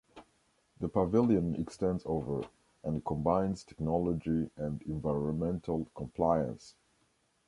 The pavilion extends over(...) and combines technology and environmental compliance